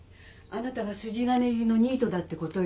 あなたが筋金入りのニートだってことよ。